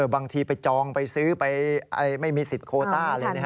บางทีไปจองไปซื้อไปไม่มีสิทธิ์โคต้าอะไร